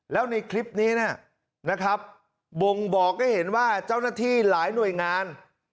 แล้วในคลิปนี้นะครับบ่งบอกให้เห็นว่าเจ้าหน้าที่หลายหน่วยงาน